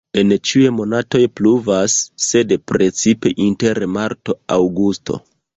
En ĉiuj monatoj pluvas, sed precipe inter marto-aŭgusto.